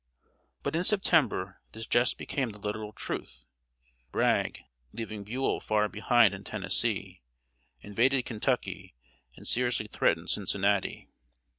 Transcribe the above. But in September, this jest became the literal truth. Bragg, leaving Buell far behind in Tennessee, invaded Kentucky, and seriously threatened Cincinnati.